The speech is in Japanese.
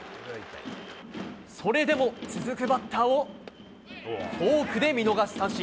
それでも続くバッターをフォークで見逃し三振。